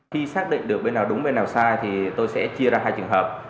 khi xác định được bên nào đúng bên nào sai thì tôi sẽ chia ra hai trường hợp